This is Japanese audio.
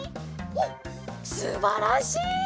おっすばらしい。